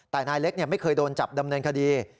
แต่นายเล็กไม่เคยโดนจับดำเนินคดี